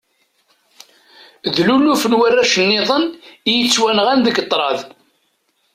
D luluf n warrac-nniḍen i yettwanɣan deg tṛad.